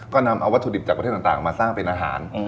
ก็นำเอาวัตถุดิบจากประเทศต่างมาสร้างเป็นอาหาร